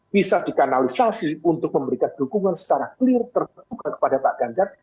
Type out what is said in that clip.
bisa dikanalisasi untuk memberikan dukungan secara clear terbuka kepada pak ganjar